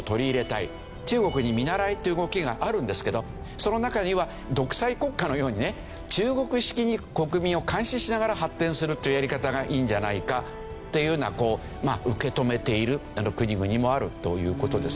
中国に見習えという動きがあるんですけどその中には独裁国家のようにね中国式に国民を監視しながら発展するというやり方がいいんじゃないかっていうふうな受け止めている国々もあるという事ですね。